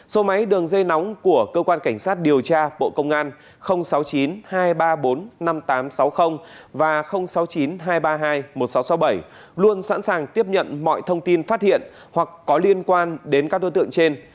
số máy đường dây nóng của cơ quan cảnh sát điều tra bộ công an sáu mươi chín hai trăm ba mươi bốn năm nghìn tám trăm sáu mươi và sáu mươi chín hai trăm ba mươi hai một nghìn sáu trăm sáu mươi bảy luôn sẵn sàng tiếp nhận mọi thông tin phát hiện hoặc có liên quan đến các đối tượng trên